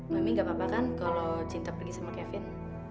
mimi gak apa apa kan kalau cinta pergi sama kevin